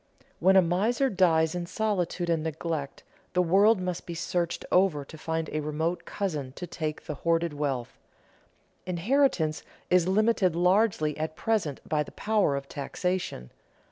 When a miser dies in solitude and neglect, the world must be searched over to find a remote cousin to take the hoarded wealth. Inheritance is limited largely at present by the power of taxation.